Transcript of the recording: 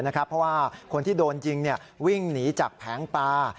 เพราะว่าคนที่โดนยิงวิ่งหนีจากแผงปลา